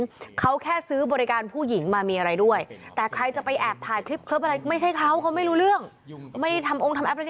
เขาแค่ซื้อบริการผู้หญิงมามีอะไรด้วยแต่ใครจะไปแอบถ่ายคลิปคลิปอะไรไม่ใช่เขาเขาไม่รู้เรื่องไม่ได้ทำองค์ทำแป๊ปอะไรเนี่ย